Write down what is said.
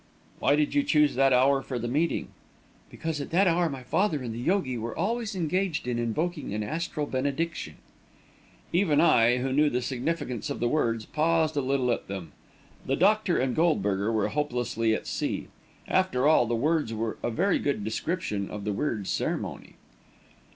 "Why did you choose that hour for the meeting?" "Because at that hour my father and the yogi were always engaged in invoking an astral benediction." Even I, who knew the significance of the words, paused a little at them. The doctor and Goldberger were hopelessly at sea. After all, the words were a very good description of the weird ceremony.